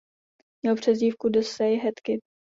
Měl přezdívku "The Say Hey Kid".